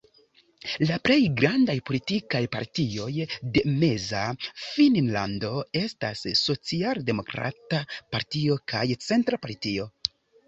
La plej grandaj politikaj partioj de Meza Finnlando estas Socialdemokrata Partio kaj Centra Partio.